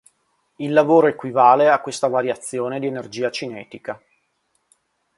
Il lavoro equivale a questa variazione di energia cinetica.